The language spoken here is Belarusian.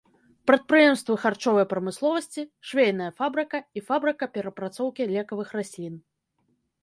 Прадпрыемствы харчовай прамысловасці, швейная фабрыка і фабрыка перапрацоўкі лекавых раслін.